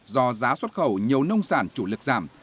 do giá xuất khẩu nhiều nông sản chủ lực giảm